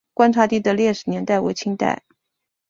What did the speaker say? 观察第的历史年代为清代。